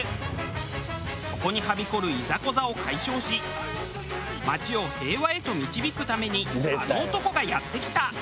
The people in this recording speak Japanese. そこにはびこるいざこざを解消し街を平和へと導くためにあの男がやって来た。